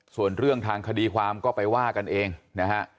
ส่วนเรื่องทางคดีความก็ไปว่ากันเองนะฮะ